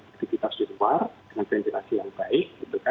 ketika kita di luar dengan ventilasi yang baik